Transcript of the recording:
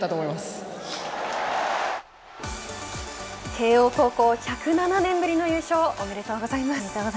慶応高校１０７年ぶりの優勝おめでとうございます。